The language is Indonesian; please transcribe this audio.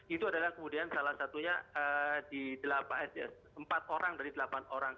itu adalah kemudian salah satunya di empat orang dari delapan orang